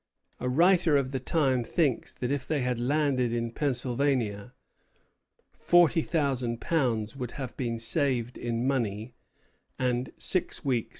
A writer of the time thinks that if they had landed in Pennsylvania, forty thousand pounds would have been saved in money, and six weeks in time.